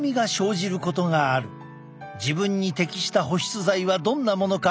自分に適した保湿剤はどんなものか